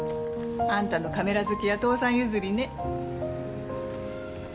あんたのカメラ好きは父さん譲りね。